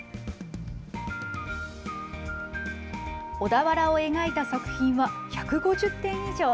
小田原を描いた作品は１５０点以上。